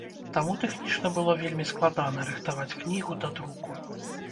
Таму тэхнічна было вельмі складана рыхтаваць кнігу да друку.